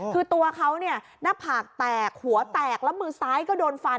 คือตัวเขาเนี่ยหน้าผากแตกหัวแตกแล้วมือซ้ายก็โดนฟัน